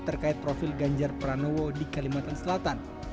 terkait profil ganjar pranowo di kalimantan selatan